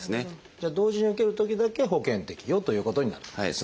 じゃあ同時に受けるときだけ保険適用ということになるわけですね。